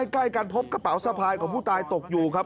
ใกล้กันพบกระเป๋าสะพายของผู้ตายตกอยู่ครับ